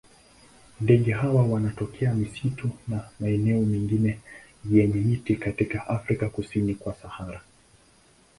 Ndege hawa wanatokea misitu na maeneo mengine yenye miti katika Afrika kusini kwa Sahara.